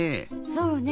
そうねえ。